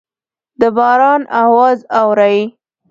د باران اواز اورئ